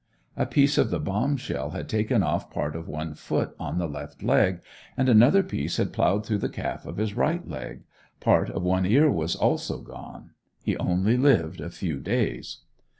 A piece of the bomb shell had taken off part of one foot on the left leg and another piece had plowed through the calf of his right leg; part of one ear was also gone. He only lived a few days.